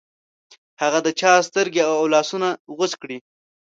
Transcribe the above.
هغه د چا سترګې او لاسونه غوڅ کړې.